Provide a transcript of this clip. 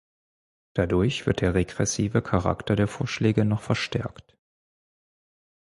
Dadurch wird der regressive Charakter der Vorschläge noch verstärkt.